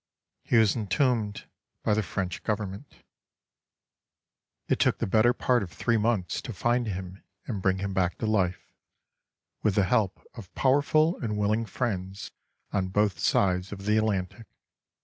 He was entombed by the French Government. It took the better part of three months to find him and bring him back to life—with the help of powerful and willing friends on both sides of the Atlantic.